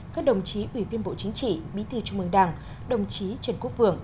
các đồng chí ủy viên bộ chính trị bí thư trung mương đảng đồng chí trần quốc vượng